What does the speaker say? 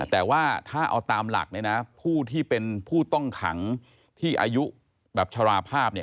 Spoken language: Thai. แต่ว่าถ้าเอาตามหลักเนี่ยนะผู้ที่เป็นผู้ต้องขังที่อายุแบบชราภาพเนี่ย